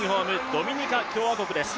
ドミニカ共和国です。